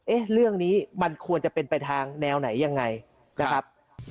เรื่องนี้มันควรจะเป็นไปทางแนวไหนยังไงนะครับ